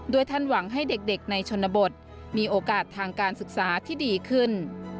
ท่านหวังให้เด็กในชนบทมีโอกาสทางการศึกษาที่ดีขึ้น